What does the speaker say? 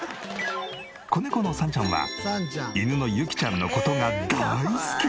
子猫のサンちゃんは犬のユキちゃんの事が大好き。